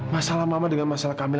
masalah mama dengan masalah kami